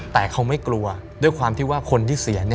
แต่เขาไม่กลัวด้วยความที่ว่าคนที่เสีย